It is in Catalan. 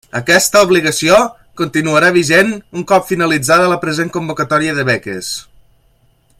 Aquesta obligació continuarà vigent un cop finalitzada la present convocatòria de beques.